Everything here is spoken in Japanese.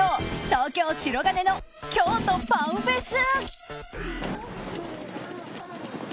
東京・白金の「京都パンフェス」。